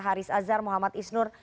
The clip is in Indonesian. haris azhar muhammad isnur